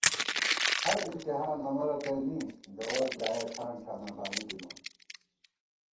ہرامتحان امہ رتئ می ، گوَر بۡلیایَہ ٹھان ٹھاناں بانی دِمان